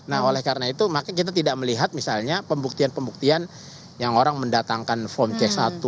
nah oleh karena itu maka kita tidak melihat misalnya pembuktian pembuktian yang orang mendatangkan form c satu